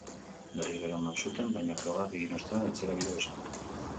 Berriro eraman zuten, baina frogak egin ostean, etxera bidali zuten.